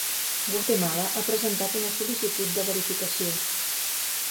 Guatemala ha presentat una sol·licitud de verificació.